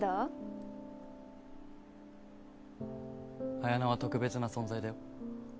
彩菜は特別な存在だよ。